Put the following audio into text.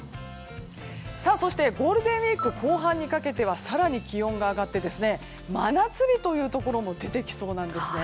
そしてゴールデンウィーク後半にかけては更に気温が上がって真夏日というところも出てきそうなんですね。